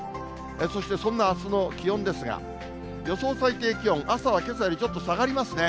そしてそんなあすの気温ですが、予想最低気温、朝はけさよりちょっと下がりますね。